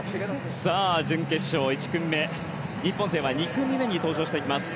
準決勝１組目日本勢は２組目に登場します。